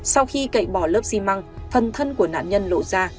sau khi cậy bỏ lớp xi măng thần thân của nạn nhân lộ ra